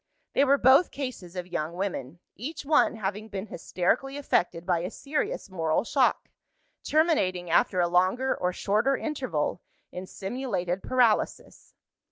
They were both cases of young women; each one having been hysterically affected by a serious moral shock; terminating, after a longer or shorter interval, in simulated paralysis.